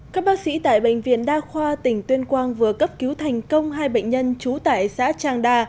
các bác sĩ tại bệnh viện đa khoa tỉnh tuyên quang vừa cấp cứu thành công hai bệnh nhân trú tại xã trang đa